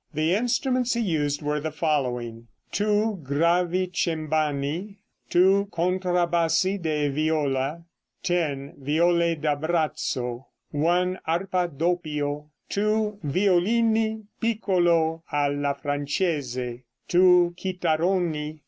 The instruments used were the following: 2 Gravicembani. 2 Contrabassi de viola. 10 Viole da brazzo. 1 Arpa doppio. 2 Violini piccolo alla Francese. 2 Chitaroni.